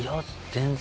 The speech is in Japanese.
全然。